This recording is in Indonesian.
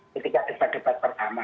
ketika debat debat pertama